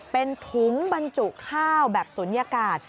เป็นถุงบรรจุข้าวแบบศูนยากาศ